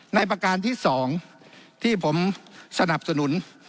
ประการที่๒ที่ผมสนับสนุน